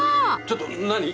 ちょっと何？